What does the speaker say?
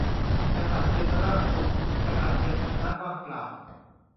กษัตริย์เป็นร่างทรง กษัตริย์เป็นภาชนะว่างเปล่า